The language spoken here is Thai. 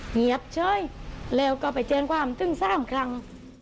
เหงียบเฉยแล้วก็ไปเจนความตึงซ่าของคลัง